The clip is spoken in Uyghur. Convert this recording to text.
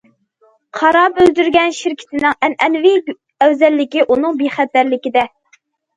قارا بۆلجۈرگەن شىركىتىنىڭ ئەنئەنىۋى ئەۋزەللىكى ئۇنىڭ بىخەتەرلىكىدە.